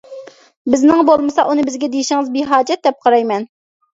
بىزنىڭ بولمىسا ئۇنى بىزگە دېيىشىڭىز بىھاجەت دەپ قارايمەن.